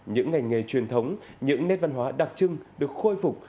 những ngành nghề truyền thống những nét văn hóa đặc trưng được khôi phục